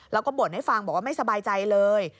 แล้วก็บ่นให้ฟังบอกว่าไม่สบายใจเลย